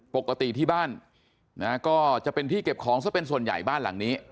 ปกติที่บ้านนะก็จะเป็นที่เก็บของซะเป็นส่วนใหญ่บ้านหลังนี้